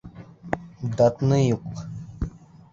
Датныюк!